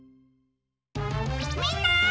みんな！